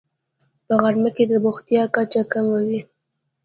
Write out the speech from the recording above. په غرمه کې د بوختیا کچه کمه وي